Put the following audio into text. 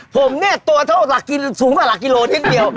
ผมเนี่ยตัวเท่าสูงกว่าหลักกิโลนิดเดียว